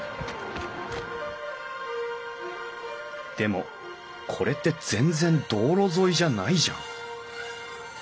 でもこれって全然道路沿いじゃないじゃん。